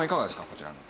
こちらの。